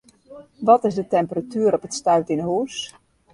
Wat is de temperatuer op it stuit yn 'e hûs?